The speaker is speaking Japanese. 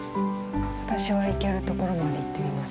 私は行けるところまで行ってみます。